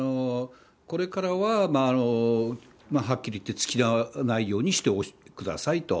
これからははっきり言って、つきあわないようにしてくださいと。